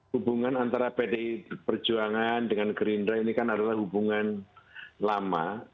hubungan antara pdi perjuangan dengan gerindra ini kan adalah hubungan lama